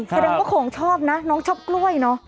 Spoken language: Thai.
สาดาก็ของชอบนะน้องชอบกร้วยนะ